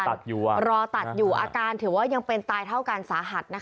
รอตัดอยู่อาการถือว่ายังเป็นตายเท่ากันสาหัสนะคะ